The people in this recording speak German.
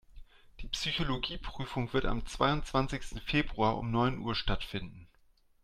Die Psychologie-Prüfung wird am zweiundzwanzigsten Februar um neun Uhr stattfinden.